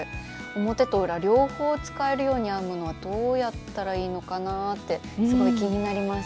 表と裏両方使えるように編むのはどうやったらいいのかなってすごい気になります。